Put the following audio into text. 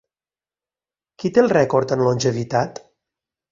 Qui té el rècord en longevitat?